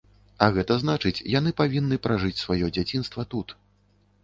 А гэта значыць, яны павінны пражыць сваё дзяцінства тут.